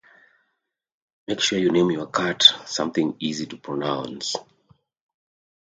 Make sure you name your cat something easy to pronounce.